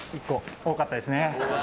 多かったですね。